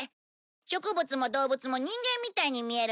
植物も動物も人間みたいに見えるんだ。